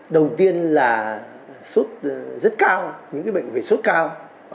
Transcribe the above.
đầu tiên là sốt rất cao những bệnh về sốt cao